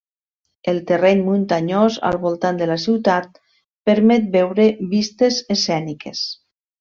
El terreny muntanyós al voltant de la ciutat permet veure vistes escèniques.